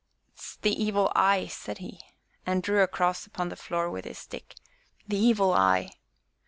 "'Tis the 'Evil Eye'!" said he, and drew across upon the floor with his stick, "the 'Evil Eye'!"